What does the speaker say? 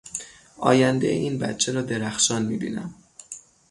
آیندهٔ این بچه را درخشان میبینم.